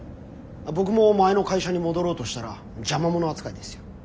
僕も前の会社に戻ろうとしたら邪魔者扱いですよ。